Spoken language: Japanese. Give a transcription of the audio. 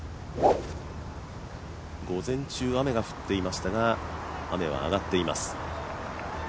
午前中、雨が降っていましたが雨はあがっています。